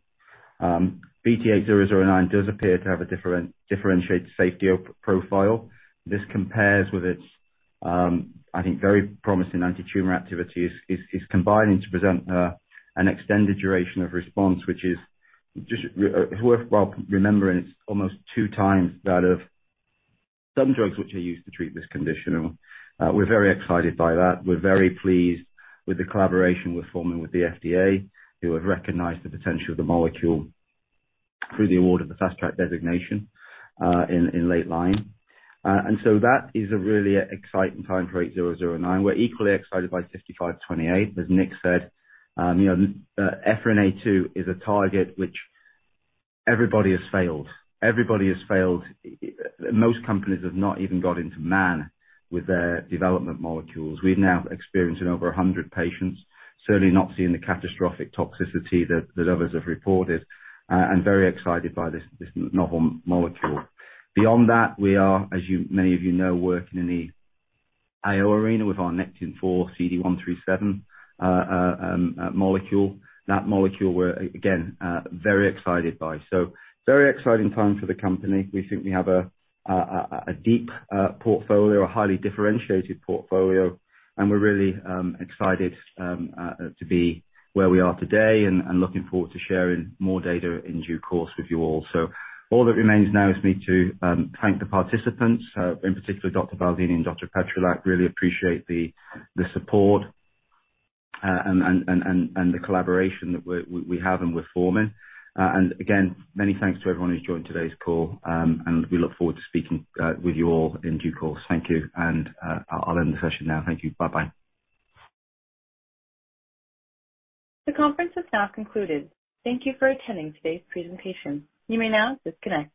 BT8009 does appear to have a differentiated safety profile. This compares with its, I think, very promising antitumor activities is combining to present an extended duration of response, which is just worth well remembering it's almost 2x that of some drugs which are used to treat this condition. We're very excited by that. We're very pleased with the collaboration we're forming with the FDA, who have recognized the potential of the molecule through the award of the Fast Track designation in late line. That is a really exciting time for 8009. We're equally excited by 5528. As Nick said, you know, EphA2 is a target which everybody has failed. Everybody has failed. Most companies have not even got into man with their development molecules. We're now experiencing over 100 patients, certainly not seeing the catastrophic toxicity that others have reported, and very excited by this novel molecule. Beyond that, we are, as you, many of you know, working in the IO arena with our Nectin-4 CD137 molecule. That molecule we're again very excited by. Very exciting time for the company. We think we have a deep portfolio, a highly differentiated portfolio, and we're really excited to be where we are today and looking forward to sharing more data in due course with you all. All that remains now is me to thank the participants, in particular Dr. Baldini and Dr. Petrylak. Really appreciate the support and the collaboration that we have and we're forming. Again, many thanks to everyone who's joined today's call, and we look forward to speaking with you all in due course. Thank you. I'll end the session now. Thank you. Bye-bye. The conference is now concluded. Thank you for attending today's presentation. You may now disconnect.